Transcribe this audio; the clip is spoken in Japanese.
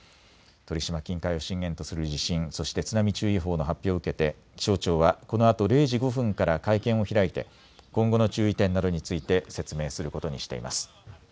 鳥島近海を震源とする地震、そして津波注意報の発表を受けて気象庁はこのあと０時５分から会見を開いて今後の注意点などについて説明することにしています。